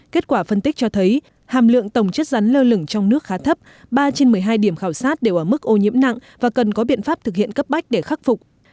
kết quả phân tích cho thấy hàm lượng tổng chất rắn lơ lửng trong nước khá thấp ba trên một mươi hai điểm khảo sát đều ở mức ô nhiễm nặng và cần có biện pháp thực hiện cấp bách để khắc phục